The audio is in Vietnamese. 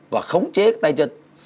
và không chế tay chân